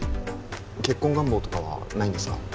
結婚願望とかはないんですか？